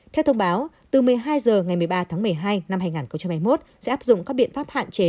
theo thông báo từ một mươi hai h ngày một mươi ba tháng một mươi hai năm hai nghìn hai mươi một sẽ áp dụng các biện pháp hạn chế